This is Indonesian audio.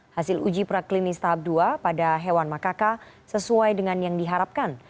hasil uji praklinis tahap dua pada hewan makaka sesuai dengan yang diharapkan